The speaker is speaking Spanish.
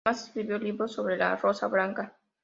Además escribió libros sobre "La Rosa Blanca".